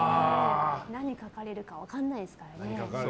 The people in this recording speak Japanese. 何書かれるか分からないですからね。